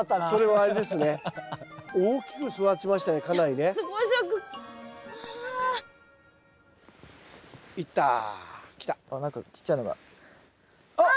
あっ何かちっちゃいのが。